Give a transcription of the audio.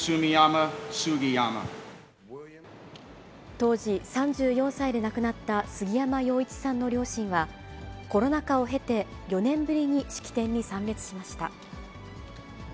当時３４歳で亡くなった杉山陽一さんの両親は、コロナ禍を経て、４年ぶりに式典に参列しました。